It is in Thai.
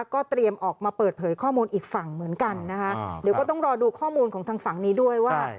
ก็เตรียมออกมาเปิดเผยข้อมูลอีกฝั่งเหมือนกันนะคะเดี๋ยวก็ต้องรอดูข้อมูลของทางฝั่งนี้ด้วยว่า